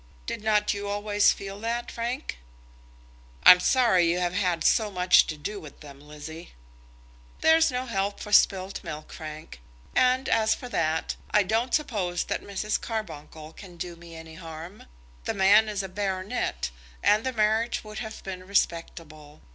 Did not you always feel that, Frank?" "I'm sorry you have had so much to do with them, Lizzie." "There's no help for spilt milk, Frank; and, as for that, I don't suppose that Mrs. Carbuncle can do me any harm. The man is a baronet, and the marriage would have been respectable.